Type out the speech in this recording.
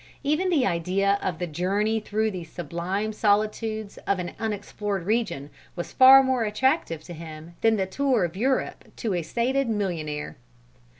Even the idea of the journey through these sublime solitudes of an unexplored region, was far more attractive to him than the tour of Europe to a sated millionaire.